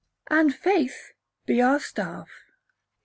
[AND FAITH BE OUR STAFF.